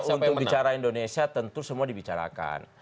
saya kira untuk bicara indonesia tentu semua dibicarakan